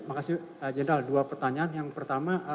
makasih jenderal dua pertanyaan yang pertama